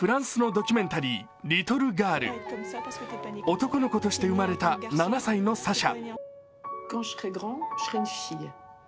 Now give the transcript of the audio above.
男の子として生まれた７歳のサシャ。